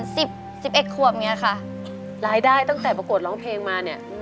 สิบสิบเอ็ดขวบเนี้ยค่ะรายได้ตั้งแต่ประกวดร้องเพลงมาเนี้ย